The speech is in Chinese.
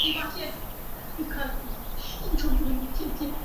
阿方索一世为阿拉贡国王桑乔一世之子。